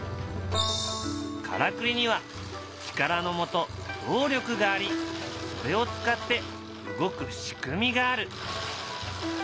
からくりには「力のもと・動力」がありそれを使って動く仕組みがある。